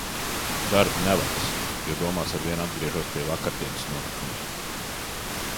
Darbi nevedas, jo domās aizvien atgriežos pie vakardienas notikumiem.